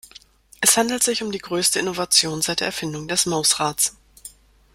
Es handelt sich um die größte Innovation seit der Erfindung des Mausrads.